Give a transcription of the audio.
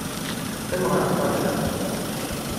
Qqim ɣer ṭṭabla.